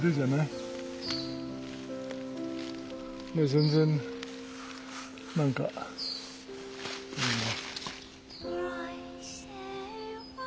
全然何かいいね。